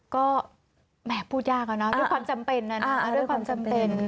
ก็แหมพูดยากอะเนาะด้วยความจำเป็นนะนะด้วยความจำเป็น